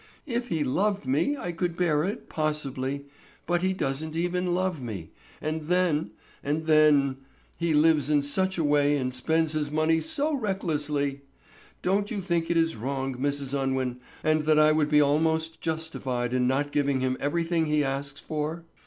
If he loved me I could bear it possibly, but he don't even love me; and then—and then—he lives in such a way and spends his money so recklessly! Don't you think it is wrong, Mrs. Unwin, and that I would be almost justified in not giving him everything he asks for?"